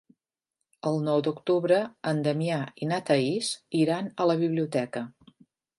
El nou d'octubre en Damià i na Thaís iran a la biblioteca.